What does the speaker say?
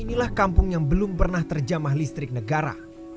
inilah kampung yang belum pernah terjamah listrik negara